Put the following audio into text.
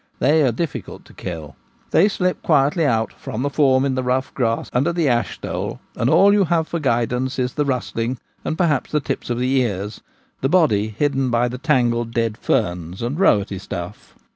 They are difficult to kill. They slip quietly out from the form in the rough grass under the ashstole, and all you have for guidance is the rustling and, perhaps, the tips of the ears, the body hidden by the tangled dead ferns and 'rowetty' stuff.